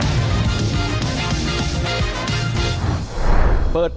ความจริงวันนี้ก็เป็นวันหยุดอยู่รัฐบาลให้หยุดพิเศษเพิ่มเติม